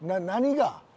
何が？